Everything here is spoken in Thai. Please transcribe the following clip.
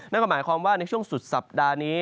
นั่นก็หมายความว่าในช่วงสุดสัปดาห์นี้